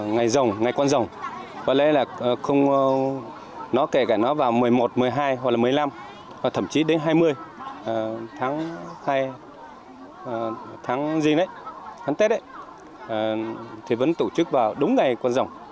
ngày dồng ngày con dồng có lẽ là không nó kể cả nó vào một mươi một một mươi hai hoặc là một mươi năm thậm chí đến hai mươi tháng hai tháng gì đấy tháng tết đấy thì vẫn tổ chức vào đúng ngày con dồng